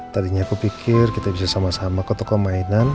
tadinya aku pikir kita bisa sama sama ke toko mainan